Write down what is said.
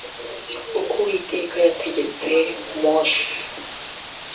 uko uwiteka yategetse mose